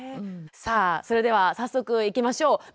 さあそれでは早速いきましょう。